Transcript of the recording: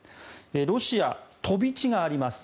ロシア、飛び地があります。